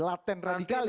laten radikalis nanti